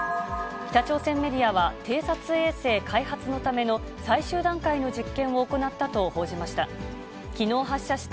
北朝鮮メディアは、偵察衛星開発のための最終段階の実験を行ったと報じました。